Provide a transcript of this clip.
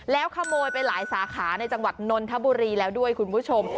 แล้วขโมยไปหลายสาขาในจังหวัดนนทบุรีแล้วด้วยคุณผู้ชม